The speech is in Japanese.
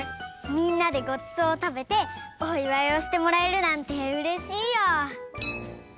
みんなでごちそうをたべておいわいをしてもらえるなんてうれしいよ。